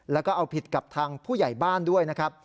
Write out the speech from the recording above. แล้วก็เอาผิดกับทางผู้ใหญ่บ้านด้วยนะครับ